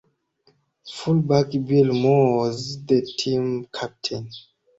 Fullback Bill Moore was the team captain.